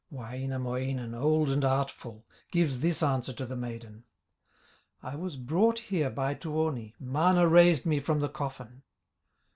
Wainamoinen, old and artful, Gives this answer to the maiden: "I was brought here by Tuoni, Mana raised me from the coffin."